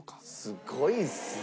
すごいっすね。